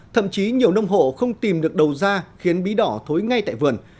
thậm chí nhiều nông hộ không tìm được đầu ra khiến bí đỏ thối ngay tại vườn